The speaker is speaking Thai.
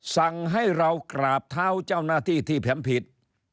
สั่งให้เรากราบเท้าเจ้าหน้าที่ที่แผ่มผิด